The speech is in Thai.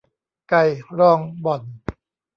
ไก่รองบ่อน